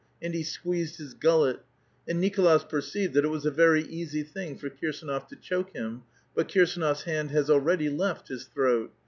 And he squeezed his gullet ; and Nicolas perceived that it was a very easj^ thing for Kirsanot* to choke him ; but Kirsdnofs hand has already left his throat.